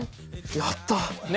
やった！